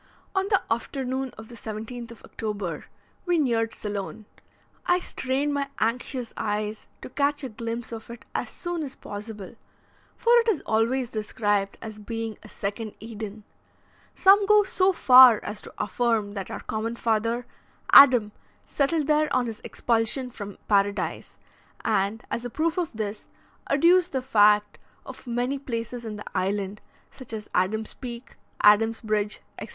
On the afternoon of the 17th of October, we neared Ceylon. I strained my anxious eyes to catch a glimpse of it as soon as possible, for it is always described as being a second Eden; some go so far as to affirm that our common father, Adam, settled there on his expulsion from Paradise, and, as a proof of this, adduce the fact of many places in the island, such as Adam's Peak, Adam's Bridge, etc.